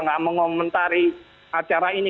tidak mengomentari acara ini